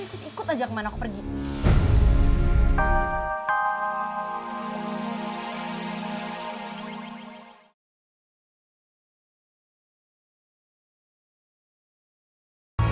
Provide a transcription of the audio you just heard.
boleh ikut ya nginep di hotel